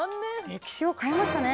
歴史を変えましたね。